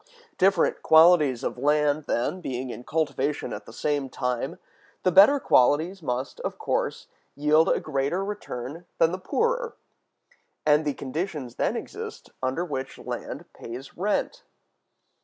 Different qualities of land, then, being in cultivation at the same time, the better qualities must, of course, yield a greater return than the poorer, and the conditions then exist under which land pays rent.